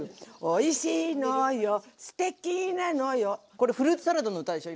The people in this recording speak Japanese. これフルーツサラダの歌でしょ？